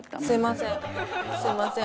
すみません。